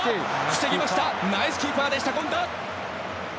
防ぎましたナイスキーパーでした権田。